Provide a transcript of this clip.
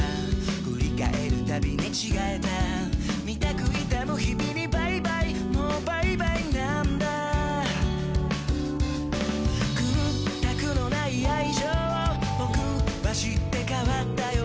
振り返るたび寝違えたみたく痛む日々にバイバイもうバイバイなんだ屈託の無い愛情を僕は知って変わったよ